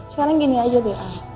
sekarang gini aja deh